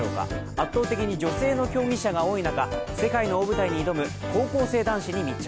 圧倒的に女性の競技者が多い中、世界の大舞台に挑む高校生男子に密着。